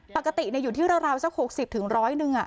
ปกติอยู่ที่ราวสัก๖๐๑๐๐นึง